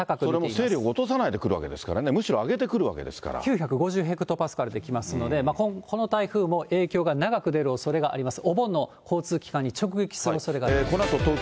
それも勢力を落とさないで来るわけですからね、むしろ上げて９５０ヘクトパスカルで来ますので、この台風も影響が長く出るおそれがあります。